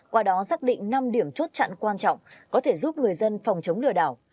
qua đó xác định năm điểm chốt chặn quan trọng có thể giúp người dân phòng chống lừa đảo